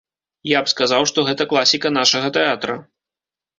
Я б сказаў, што гэта класіка нашага тэатра.